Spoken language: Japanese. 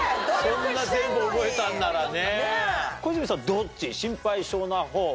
そんな全部覚えたんならね。